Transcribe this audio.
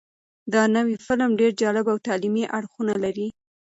دا نوی فلم ډېر جالب او تعلیمي اړخونه لري.